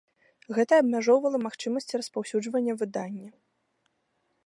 Гэта абмяжоўвала магчымасці распаўсюджвання выдання.